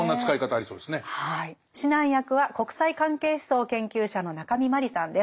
指南役は国際関係思想研究者の中見真理さんです。